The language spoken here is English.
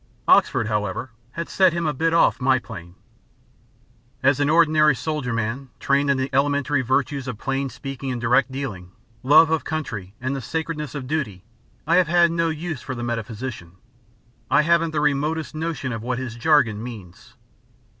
Oxford, however, had set him a bit off my plane. As an ordinary soldierman, trained in the elementary virtues of plain speaking and direct dealing, love of country and the sacredness of duty, I have had no use for the metaphysician. I haven't the remotest notion what his jargon means.